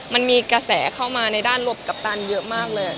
มันมีกระแสเข้ามาในด้านลบกัปตันเยอะมากเลย